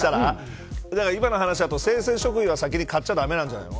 今の話だと生鮮食品は先に買っちゃ駄目なんじゃないの。